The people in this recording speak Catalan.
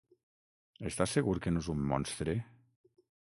Estàs segur que no és un monstre?